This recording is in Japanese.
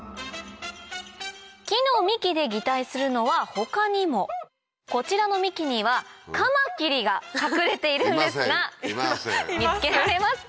木の幹で擬態するのは他にもこちらの幹にはカマキリが隠れているんですが見つけられますか？